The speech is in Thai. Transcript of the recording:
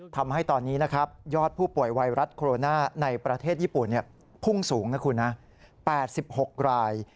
ทำให้ตอนนี้ยอดผู้ป่วยไวรัสโคโรนาในประเทศญี่ปุ่นพุ่งสูง๘๖ราย